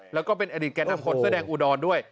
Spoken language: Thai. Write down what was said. แล้วก็เป็นอดีตแก่นำคนเสื้อแดงอุดรด้วย